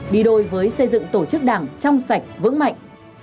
đi đôi với xây dựng tổ chức đảng trong sạch vững mạnh